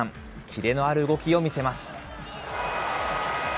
キレのある動きを見せます。